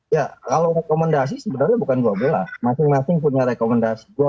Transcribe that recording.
ya kalau rekomendasi sebenarnya bukan dua belas masing masing punya rekomendasi